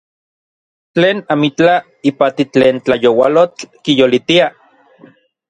Tlen amitlaj ipati tlen tlayoualotl kiyolitia.